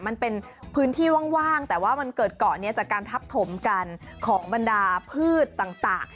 มันเป็นพื้นที่ว่างแต่ว่ามันเกิดเกาะนี้จากการทับถมกันของบรรดาพืชต่าง